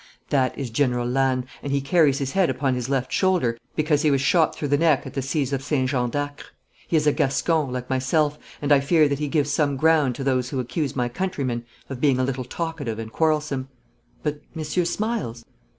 'That is General Lannes, and he carries his head upon his left shoulder because he was shot through the neck at the siege of St. Jean d'Acre. He is a Gascon, like myself, and I fear that he gives some ground to those who accuse my countrymen of being a little talkative and quarrelsome. But monsieur smiles?'